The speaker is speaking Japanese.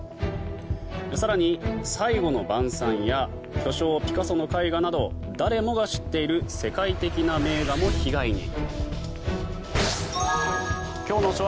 更に「最後の晩餐」や巨匠ピカソの絵画など誰もが知っている世界的な名画も被害に。